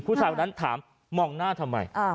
ผู้ชายคนนั้นถามมองหน้าทำไม